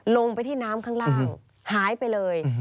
ลงไปที่น้ำข้างล่างหายไปเลย